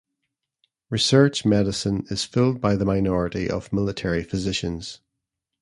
Research Medicine is filled by the minority of military physicians.